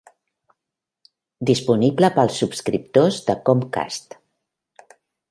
Disponible pels subscriptors de Comcast.